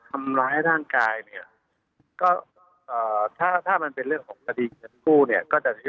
ทำร้ายร่างกายเนี่ยก็ถ้าถ้ามันเป็นเรื่องของคดีเงินกู้เนี่ยก็จะเสีย